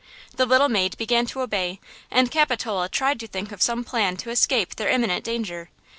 The little maid began to obey and Capitola tried to think of some plan to escape their imminent danger.